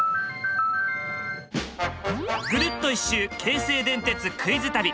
ぐるっと１周京成電鉄クイズ旅！